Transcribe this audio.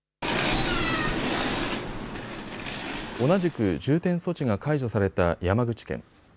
同じく重点措置が解除された山口県。